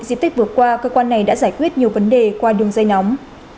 dịp tích vừa qua cơ quan này đã giải quyết nhiều vấn đề qua đường dây nóng